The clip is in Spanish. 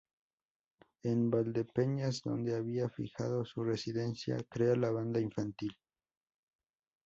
En Valdepeñas, donde había fijado su residencia, crea la Banda Infantil.